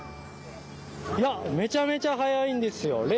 いやめちゃめちゃ速いんですよ。